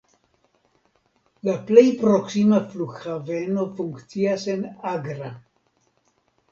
La plej proksima flughaveno funkcias en Agra.